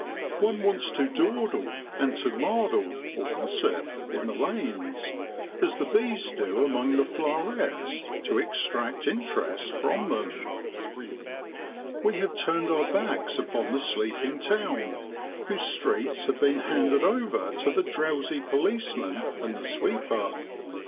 One wants to dawdle and to 'mardle' (gos sip) in the lanes, as the bees do among the flowerets, to extract interest from them. We have turned our backs upon the sleeping town, whose streets have been handed over to the drowsy policeman and the sweeper.